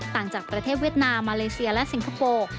ต่างประเทศเวียดนามมาเลเซียและสิงคโปร์